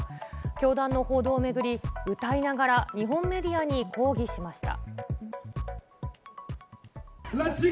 教団の報道をめぐり、歌いながら日本メディアに抗議しました。